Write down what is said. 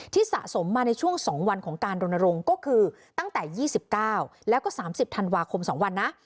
สะสมมาในช่วง๒วันของการรณรงค์ก็คือตั้งแต่๒๙แล้วก็๓๐ธันวาคม๒วันนะ